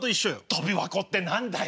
とび箱って何だよ。